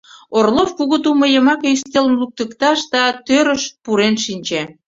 Орлов кугу тумо йымаке ӱстелым луктыкташ да тӧрыш пурен шинче.